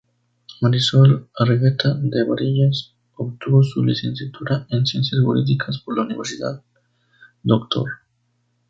Marisol Argueta de Barillas, obtuvo su licenciatura en Ciencias Jurídicas por la Universidad "Dr.